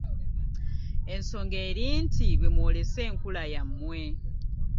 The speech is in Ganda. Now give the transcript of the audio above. Ensonga eri nti bwe mwolesa enkula yammwe.